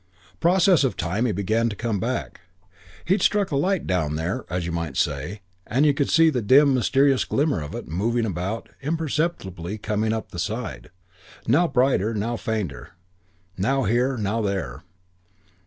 "Process of time he began to come back. He'd struck a light down there, as you might say, and you could see the dim, mysterious glimmer of it, moving about, imperceptibly coming up the side. Now brighter, now fainter; now here, now there.